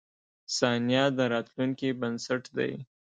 • ثانیه د راتلونکې بنسټ دی.